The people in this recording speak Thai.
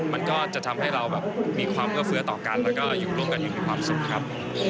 มันก็จะทำให้เราแบบมีความเอื้อเฟื้อต่อกันแล้วก็อยู่ร่วมกันอย่างมีความสุขครับ